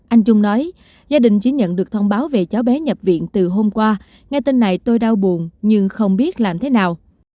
anh trung nói gia đình chỉ nhận được thông báo về cháu bé nhập viện từ hôm qua nghe tin này tôi đau buồn nhưng không biết làm thế nào